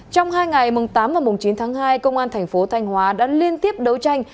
trong hai ngày tám và chín tháng hai công an thành phố thanh hóa đã liên tiếp đấu tranh